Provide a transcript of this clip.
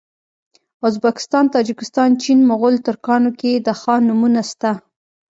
ازبکستان تاجکستان چین مغول ترکانو کي د خان نومونه سته